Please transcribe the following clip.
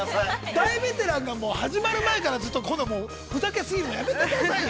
◆大ベテランが始まる前から、ふざけ過ぎるのやめてくださいよ。